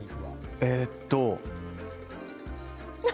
ええっと